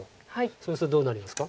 そうするとどうなりますか？